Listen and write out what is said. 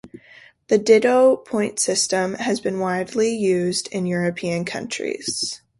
The Didot point system has been widely used in European countries.